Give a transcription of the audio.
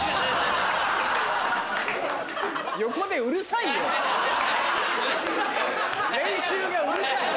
横でうるさいよ！